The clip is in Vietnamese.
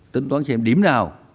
tính toán xem điểm nào